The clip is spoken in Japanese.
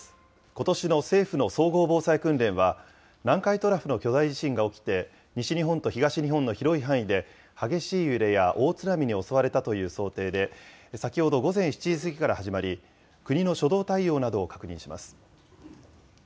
ことしの政府の総合防災訓練は、南海トラフの巨大地震が起きて、西日本と東日本の広い範囲で、激しい揺れや大津波に襲われたという想定で、先ほど午前７時過ぎから始まり、国の初動対応などを確認します。